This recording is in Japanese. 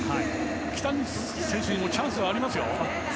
北口選手にもチャンスありますよ。